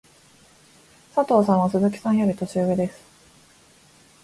佐藤さんは鈴木さんより年上です。